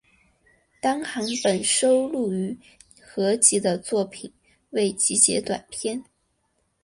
单行本收录于合集的作品未集结短篇